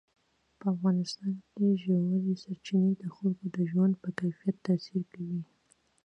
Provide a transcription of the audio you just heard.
په افغانستان کې ژورې سرچینې د خلکو د ژوند په کیفیت تاثیر کوي.